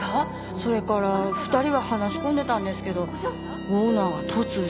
それから２人は話し込んでたんですけどオーナーが突然。